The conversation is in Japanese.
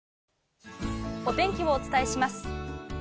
お天気をお伝えします。